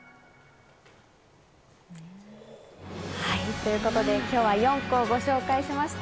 ということで今回、４校をご紹介しました。